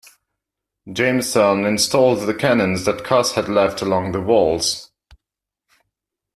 Jameson installed the cannons that Cos had left along the walls.